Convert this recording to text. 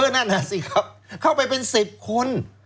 นั่นน่ะสิครับเข้าไปเป็น๑๐คน